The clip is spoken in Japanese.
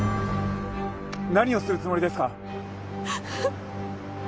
何をするつもりですか？